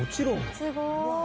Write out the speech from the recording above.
すごーい！